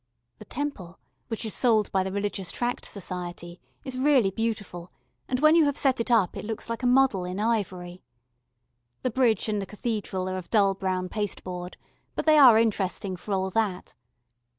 The Temple, which is sold by the Religious Tract Society, is really beautiful, and when you have set it up it looks like a model in ivory. The bridge and the Cathedral are of dull brown pasteboard but they are interesting for all that.